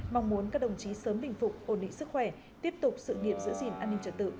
mong muốn các đồng chí sớm bình phục ổn định sức khỏe tiếp tục sự nghiệp giữ gìn an ninh trật tự